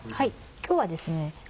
今日はですね